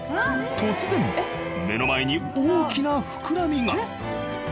突然目の前に大きなふくらみが。